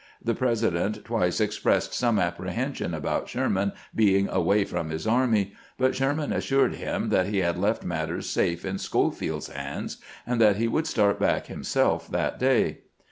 The President twice expressed some apprehension about Sherman being away from his a rmy ; but Sherman assured him that he had left matters safe in Schofield's hands, and that he would start back himself that day.